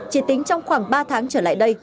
chỉ tính trong khoảng ba tháng trở lại đây